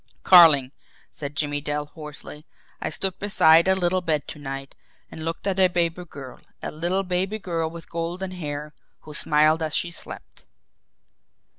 "Carling," said Jimmie Dale hoarsely, "I stood beside a little bed to night and looked at a baby girl a little baby girl with golden hair, who smiled as she slept."